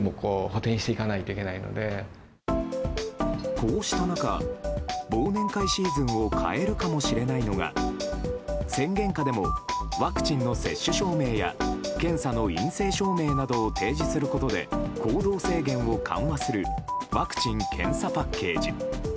こうした中、忘年会シーズンを変えるかもしれないのが宣言下でもワクチンの接種証明や検査の陰性証明などを提示することで行動制限を緩和するワクチン・検査パッケージ。